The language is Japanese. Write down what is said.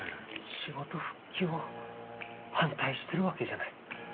仕事復帰を反対してるわけじゃない。